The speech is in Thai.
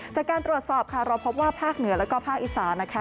จากการตรวจสอบค่ะเราพบว่าภาคเหนือแล้วก็ภาคอีสานนะคะ